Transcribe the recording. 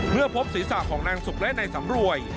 เมื่อพบศีรษะของนางศุกร์และนายสำรวย